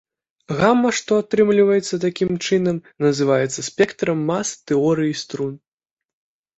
Гама, што атрымліваецца такім чынам, называецца спектрам мас тэорыі струн.